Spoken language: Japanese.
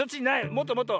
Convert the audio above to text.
もっともっと。